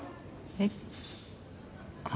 えっ？